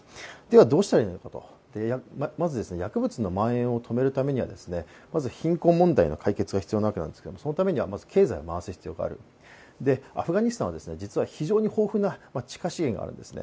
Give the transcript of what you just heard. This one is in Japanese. どうしたらいいのかと、まず薬物のまん延を止めるためには貧困問題の解決が必要なわけですけれども、そのためにはまず経済を回す必要があるアフガニスタンは実は非常に豊富な地下資源があるんですね。